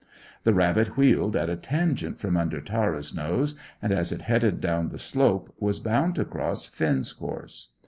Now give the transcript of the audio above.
The rabbit wheeled at a tangent from under Tara's nose, and, as it headed down the slope, was bound to cross Finn's course.